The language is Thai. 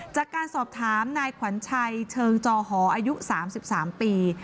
จากการสอบถามนายขวัญชัยเชิงจองหออายุสามสิบสามปี